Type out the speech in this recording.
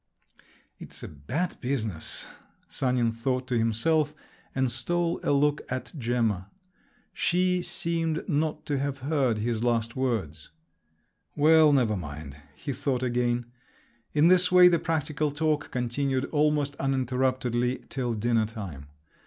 "It's a bad business!" Sanin thought to himself, and stole a look at Gemma. She seemed not to have heard his last words. "Well, never mind!" he thought again. In this way the practical talk continued almost uninterruptedly till dinner time.